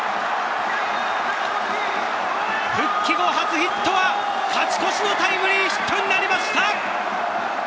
復帰後、初ヒットは勝ち越しのタイムリーヒットになりました！